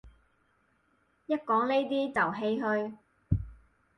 一講呢啲就唏噓